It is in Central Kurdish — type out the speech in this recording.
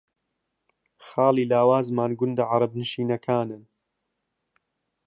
خاڵی لاوازمان گوندە عەرەبنشینەکانن